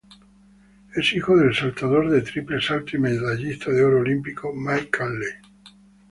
Es hijo del saltador de triple salto y medallista de oro olímpico, Mike Conley.